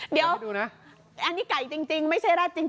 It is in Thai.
เดี๋ยวดูนะอันนี้ไก่จริงไม่ใช่ราดจริง